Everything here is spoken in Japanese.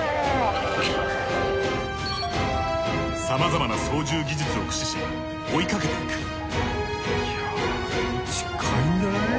さまざまな操縦技術を駆使し追いかけていく。